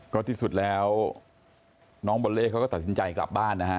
ก็ที่สุดแล้วน้องบอลเล่ก็กลับบ้านค่ะ